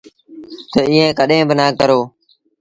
تا ايٚئيٚن ڪڏهيݩ با نا ڪرو۔